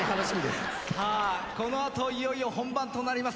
さあこのあといよいよ本番となります。